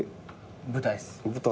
舞台っす。